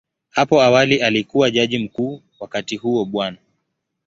Hapo awali alikuwa Jaji Mkuu, wakati huo Bw.